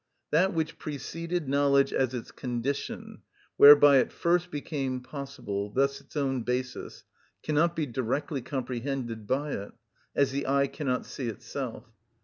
That which preceded knowledge as its condition, whereby it first became possible, thus its own basis, cannot be directly comprehended by it; as the eye cannot see itself.